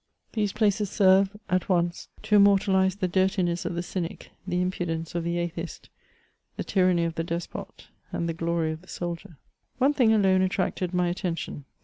These places serve, at once, to immortalize the dirtiness of the cynic, the impudence of the atheist, the tyranny of the despot, and the glory of the soldier. One thing alone attracted my attention.